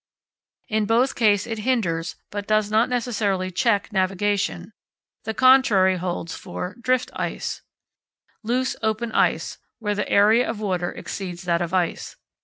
In both cases it hinders, but does not necessarily check, navigation; the contrary holds for Drift ice. Loose open ice, where the area of water exceeds that of ice.